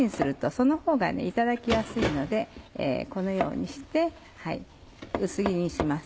そのほうがいただきやすいのでこのようにして薄切りにします。